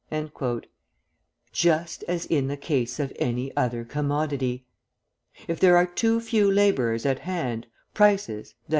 Just as in the case of any other commodity! If there are too few labourers at hand, prices, _i.